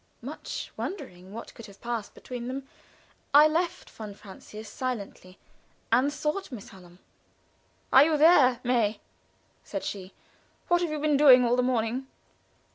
Much wondering what could have passed between them, I left von Francius silently and sought Miss Hallam. "Are you there, May?" said she. "What have you been doing all the morning?"